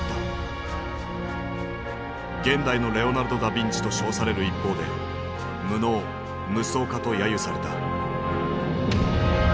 「現代のレオナルド・ダビンチ」と称される一方で「無能」「夢想家」とやゆされた。